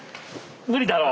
無理だろう。